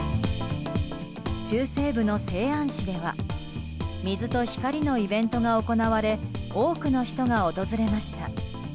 中西部の西安市では水と光のイベントが行われ多くの人が訪れました。